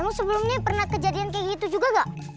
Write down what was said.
kamu sebelumnya pernah kejadian kayak gitu juga gak